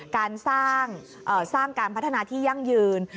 การสร้างการพัฒนาที่ยั่งยืน